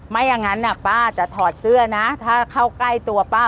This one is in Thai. ไม่อย่างนั้นป้าจะถอดเสื้อนะถ้าเข้าใกล้ตัวป้า